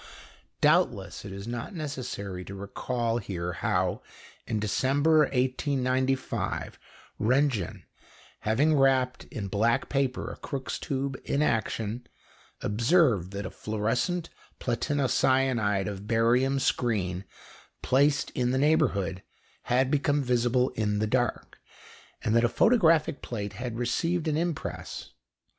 Doubtless it is not necessary to recall here how, in December 1895, Röntgen, having wrapped in black paper a Crookes tube in action, observed that a fluorescent platinocyanide of barium screen placed in the neighbourhood, had become visible in the dark, and that a photographic plate had received an impress.